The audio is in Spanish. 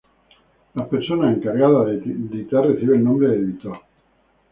La persona encargada de editar recibe el nombre de editor.